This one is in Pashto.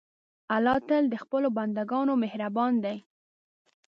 الله تل د خپلو بندهګانو مهربان دی.